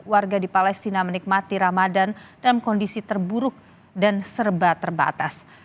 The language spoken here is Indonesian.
warga di palestina menikmati ramadan dalam kondisi terburuk dan serba terbatas